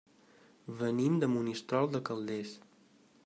Venim de Monistrol de Calders.